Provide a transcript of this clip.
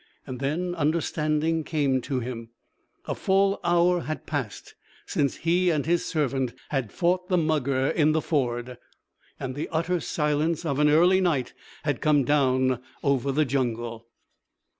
And then understanding came to him. A full hour had passed since he and his servant had fought the mugger in the ford. And the utter silence of early night had come down over the jungle.